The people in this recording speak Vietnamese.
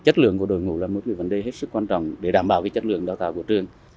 chất lượng của đội ngũ là một vấn đề hết sức quan trọng để đảm bảo chất lượng đào tạo của trường